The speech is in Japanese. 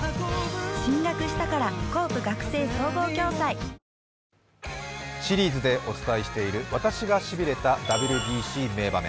パワーカーブ⁉シリーズでお伝えしている私がしびれたＷＢＣ名場面。